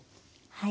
はい。